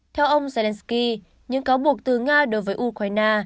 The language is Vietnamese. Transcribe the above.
theo ông zelensky những cáo buộc từ nga đối với ukraine